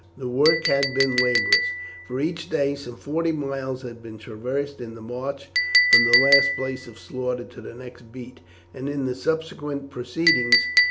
The work had been laborious; for each day some forty miles had been traversed in the march from the last place of slaughter to the next beat, and in the subsequent proceedings.